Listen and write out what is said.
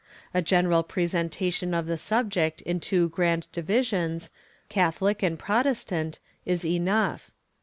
A general presentation of the subject in two grand divisions, Catholic and Protestant, is enough.